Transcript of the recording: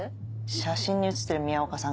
写真に写ってる宮岡さん